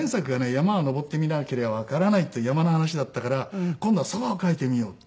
『山は登ってみなけりゃ分からない』という山の話だったから今度はそばを書いてみよう。